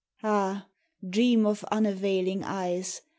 Ah, dream of unavailing eyes!